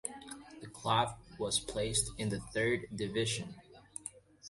The club was placed in the third division.